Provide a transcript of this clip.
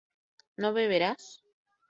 ¿no beberás?